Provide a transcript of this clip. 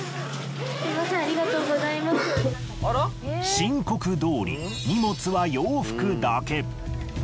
申告どおり荷物は洋服だけ。